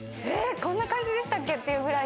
こんな感じでしたっけ？っていうぐらい。